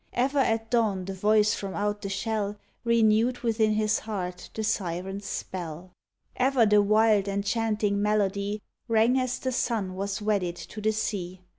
Ever at dawn the voice from out the shell Renewed within his heart the siren's spell; 15 DUJNDON Ever the wild, enchanting melody Rang as the sun was wedded to the sea.